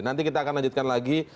nanti kita akan lanjutkan lagi